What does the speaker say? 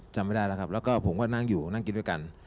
จำไม่ได้แล้วครับแล้วก็ผมก็นั่งอยู่นั่งกินด้วยกัน